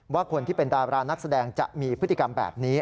ว่าคนที่เป็นดารานักแสดงจะมีพฤติกรรมแบบนี้